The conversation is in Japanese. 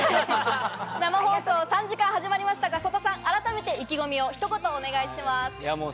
生放送、３時間が始まりましたが、曽田さん、あらためて意気込みをひと言お願いします。